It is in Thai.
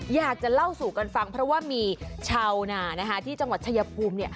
อยากจะเล่าสู่กันฟังเพราะว่ามีชาวนาที่จังหวัดชายภูมิ